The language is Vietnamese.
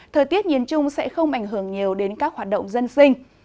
thời tiết nhìn chung sẽ không ảnh hưởng nhiều đến các hoạt động dân sinh